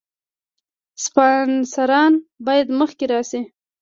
سپانسران باید مخکې راشي.